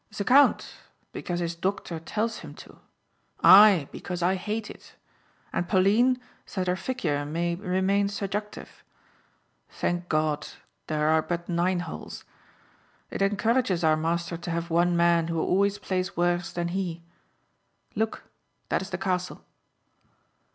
"The count because his doctor tells him to. I because I hate it, and Pauline that her figure may remain seductive. Thank God there are but nine holes! It encourages our master to have one man who always plays worse than he. Look, that is the castle."